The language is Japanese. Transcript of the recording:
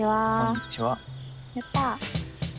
やった。